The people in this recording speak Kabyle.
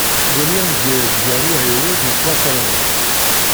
Wali amgired gar uɛiwed yettwafernen.